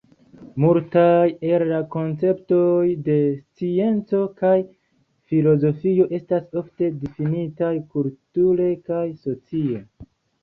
Multaj el la konceptoj de scienco kaj filozofio estas ofte difinitaj kulture kaj socie.